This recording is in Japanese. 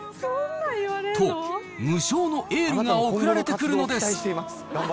と、無償のエールが送られてくるのです。